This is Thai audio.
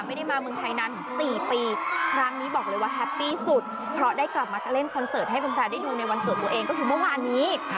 ไม่ได้มาเมืองไทยนาน๔ปีครั้งนี้บอกเลยว่าแฮปปี้สุดเพราะได้กลับมาเล่นคอนเสิร์ตให้แฟนได้ดูในวันเกิดตัวเองก็คือเมื่อวานนี้